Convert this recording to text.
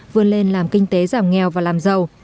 vươn lên làm kinh tế giảm nghèo và làm giàu